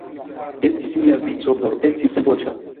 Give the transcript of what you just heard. Estis mia vico por esti senvoĉa.